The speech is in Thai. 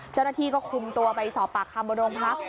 เจ้าหน้าที่ก็คุมตัวไปสอบปากคำบนโรงพัก